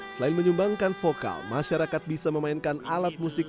selain menyumbangkan vokal masyarakat bisa memainkan alat musik